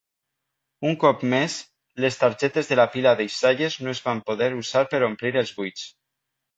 Un cop més, les targetes de la pila deixalles no es van poder usar per omplir els buits.